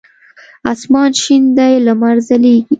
اسمان شین دی لمر ځلیږی